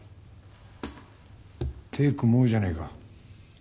手ぇ組もうじゃねえか。